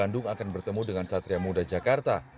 bandung akan bertemu dengan satria muda jakarta